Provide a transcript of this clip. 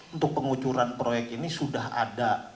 untuk pengucuran proyek ini sudah ada